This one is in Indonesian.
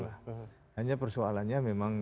hanya persoalannya memang